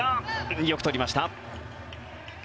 よくとりました。